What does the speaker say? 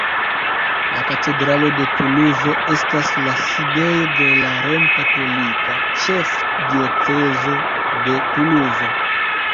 La katedralo de Tuluzo estas la sidejo de la Romkatolika Ĉefdiocezo de Tuluzo.